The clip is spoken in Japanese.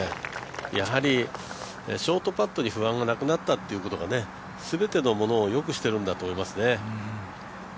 やはりショートパットに不安がなくなったというのが全てのものをよくしているんだと思いますね。